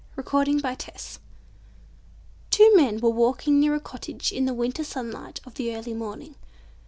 Chapter 13 Home at Last Two men were walking near a cottage in the winter sun light of the early morning.